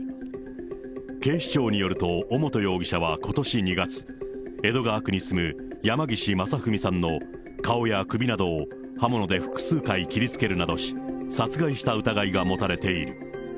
警視庁によると、尾本容疑者はことし２月、江戸川区に住む山岸正文さんの顔や首などを刃物で複数回切りつけるなどし、殺害した疑いが持たれている。